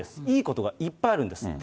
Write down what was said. いいことがいっぱいあるんです。